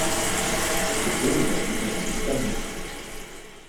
Le club est basé dans la ville d’Armentières.